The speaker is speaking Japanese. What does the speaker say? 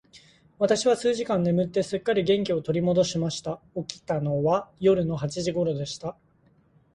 私は数時間眠って、すっかり元気を取り戻しました。起きたのは夜の八時頃でした。